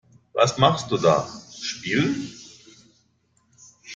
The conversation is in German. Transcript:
Was machst du da? Spielen.